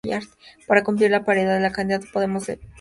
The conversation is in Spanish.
Para cumplir la paridad la candidata de Podemos debía ser una mujer.